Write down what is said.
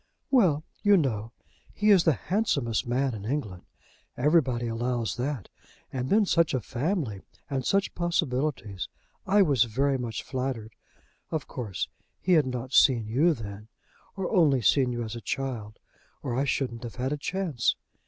"Well, you know; he is the handsomest man in England. Everybody allows that; and, then, such a family and such possibilities! I was very much flattered. Of course he had not seen you then, or only seen you as a child, or I shouldn't have had a chance.